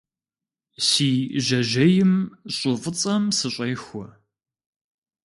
Си жьэжьейм щӀы фӀыцӀэм сыщӀехуэ.